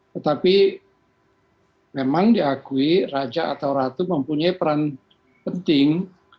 tetapi memang diakui raja atau ratu mempunyai peran penting